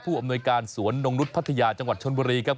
ผู้อำนวยการสวนนงนุฏพัฒนียาจังหวัดชนบุรีครับ